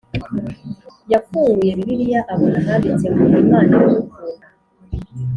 yafunguye Bibiliya abona ahanditse ngo imana iradukunda